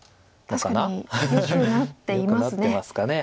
確かによくなっていますね。